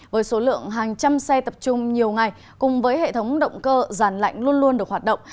với số lượng hàng trăm xe tập trung nhiều ngày cùng với hệ thống động cơ giàn lạnh luôn luôn được hoạt động